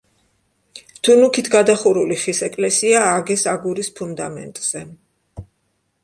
თუნუქით გადახურული ხის ეკლესია ააგეს აგურის ფუნდამენტზე.